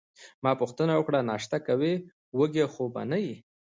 ما پوښتنه وکړه: ناشته کوې، وږې خو به نه یې؟